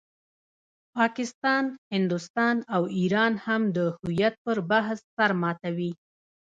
پاکستان، هندوستان او ایران هم د هویت پر بحث سر ماتوي.